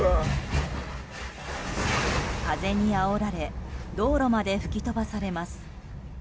風にあおられ道路まで吹き飛ばされます。